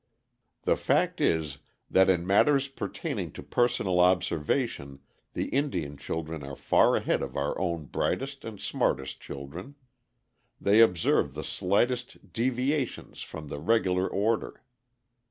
The fact is, that in matters pertaining to personal observation the Indian children are far ahead of our own brightest and smartest children; they observe the slightest deviations from the regular order.